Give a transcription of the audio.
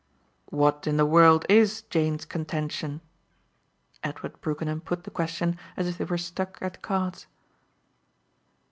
"What in the world IS Jane's contention?" Edward Brookenham put the question as if they were "stuck" at cards.